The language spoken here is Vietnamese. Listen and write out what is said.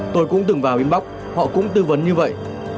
tôi cũng từng vào inbox họ cũng tư vấn như vậy